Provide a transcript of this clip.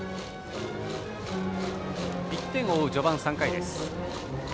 １点を追う序盤３回です。